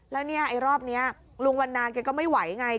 แล้วเนี่ยไอ้รอบนี้ลุงวันนาแกก็ไม่ไหวไง